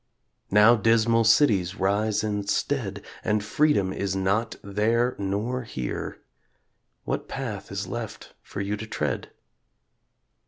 Now dismal cities rise instead And freedom is not there nor here What path is left for you to tread?